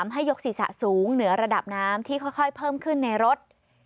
ให้ยกศีรษะสูงเหนือระดับน้ำที่ค่อยเพิ่มขึ้นในรถ